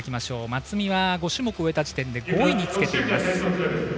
松見は５種目終えた時点で５位につけています。